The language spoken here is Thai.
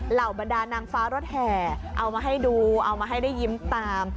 เหล่าบรรดานางฟ้ารถแห่เอามาให้ดูเอามาให้ได้ยิ้มตาม